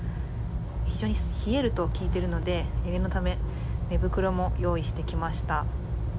非常に冷えると聞いているので念のため寝袋も用意してきました。